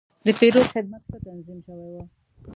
د پیرود خدمت ښه تنظیم شوی و.